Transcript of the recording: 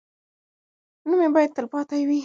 نوم یې باید تل پاتې وي.